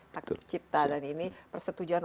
tak cipta dan ini persetujuan